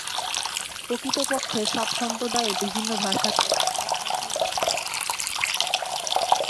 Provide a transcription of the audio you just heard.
প্রকৃতপক্ষে সব সম্প্রদায়ই বিভিন্ন ভাষায় ঐ এক কথাই বলছেন।